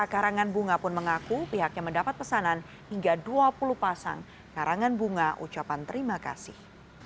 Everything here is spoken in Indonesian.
karangan bunga pun mengaku pihaknya mendapat pesanan hingga dua puluh pasang karangan bunga ucapan terima kasih